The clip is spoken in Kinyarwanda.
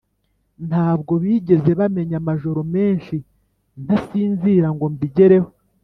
ntabwo bigeze bamenya amajoro menshi ntasinzira ngo mbigereho